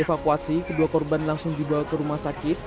evakuasi kedua korban langsung dibawa ke rumah sakit